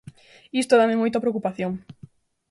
Isto dáme moita preocupación.